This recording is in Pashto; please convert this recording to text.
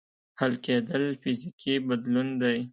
حل کېدل فزیکي بدلون دی.